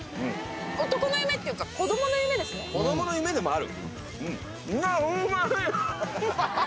子供の夢でもある。